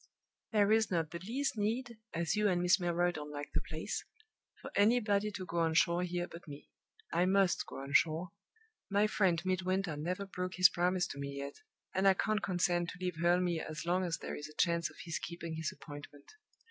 "There is not the least need (as you and Miss Milroy don't like the place) for anybody to go on shore here but me. I must go on shore. My friend Midwinter never broke his promise to me yet; and I can't consent to leave Hurle Mere as long as there is a chance of his keeping his appointment.